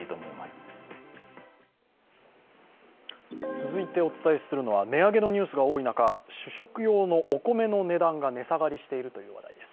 続いてお伝えするのは値上げのニュースが多い中主食用のお米の値段が値下がりしているという話題です。